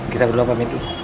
kita berdua pamit dulu